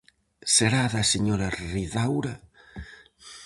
Será da señora Ridaura?